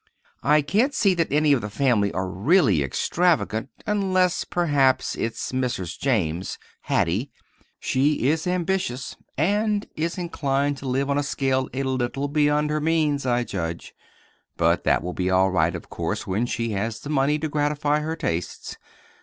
I can't see that any of the family are really extravagant unless, perhaps, it's Mrs. James—"Hattie." She is ambitious, and is inclined to live on a scale a little beyond her means, I judge. But that will be all right, of course, when she has the money to gratify her tastes.